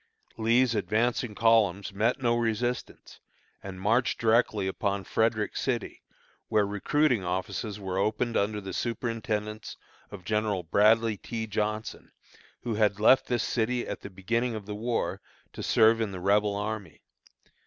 Lee's advancing columns met no resistance, and marched directly upon Frederick City, where recruiting offices were opened under the superintendence of General Bradley T. Johnson, who had left this city, at the beginning of the war, to serve in the Rebel army.